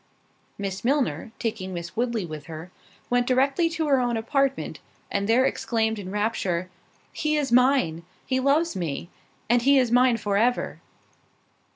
Miss Milner, taking Miss Woodley with her, went directly to her own apartment, and there exclaimed in rapture, "He is mine—he loves me—and he is mine for ever."